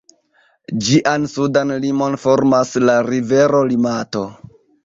Ĝian sudan limon formas la rivero Limato.